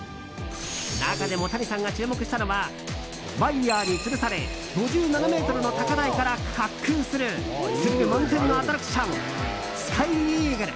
中でも、谷さんが注目したのはワイヤにつるされ５７ｍの高台から滑空するスリル満点のアトラクションスカイ・イーグル。